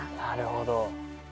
なるほど。